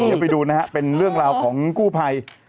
จบเลยครับไปดูน่ะเป็นเรื่องของกู้ไพ